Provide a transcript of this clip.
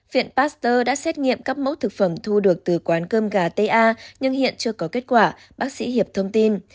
viện pasteur đã xét nghiệm các mẫu thực phẩm thu được từ quán cơm gà ta nhưng hiện chưa có kết quả bác sĩ hiệp thông tin